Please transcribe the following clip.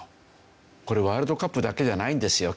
これワールドカップだけではないんですよ